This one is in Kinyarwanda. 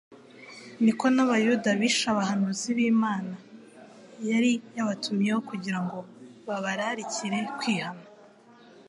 niko n’abayuda bishe abahanuzi b’Imana yari yabatumyeho kugira ngo babararikire kwihana.